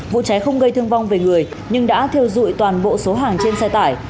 vụ cháy không gây thương vong về người nhưng đã thiêu dụi toàn bộ số hàng trên xe tải